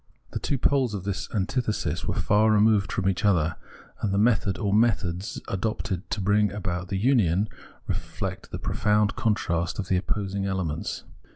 The two poles of the antithesis were far removed from each other, and the method or methods adopted to bring about the union reflect the profound contrast of the opposing elements.